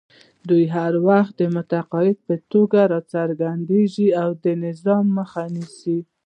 دوی هر وخت د منتقد په توګه راڅرګندېږي او د نظام مخه نیسي